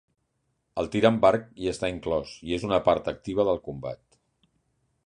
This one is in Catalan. El tir amb arc hi està inclòs i és una part activa del combat.